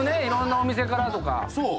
いろんなお店からとか。